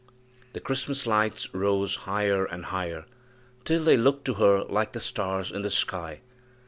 The Christmas lights rose higher and higher, till they looked to her like the stars in the sky.